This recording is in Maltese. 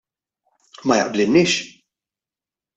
Ma jaqblilniex?